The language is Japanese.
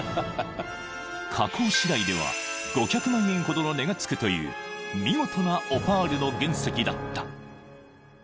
［加工しだいでは５００万円ほどの値が付くという見事なオパールの原石だった］